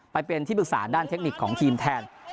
ไปเป็นที่ปรึกษาด้านเทคนิคของทีมแทน